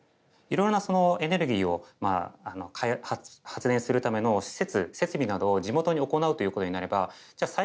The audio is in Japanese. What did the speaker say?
いろいろなエネルギーを発電するための施設・設備などを地元に行うということになればじゃ